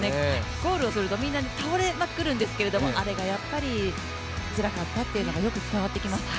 ゴールをすると、みんな倒れまくるんですけど、あれがやっぱりつらかったっていうのがよく伝わってきます。